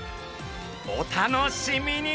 お楽しみに！